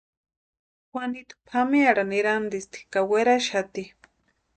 Juanitu pʼamearhani erantisti ka weraxati.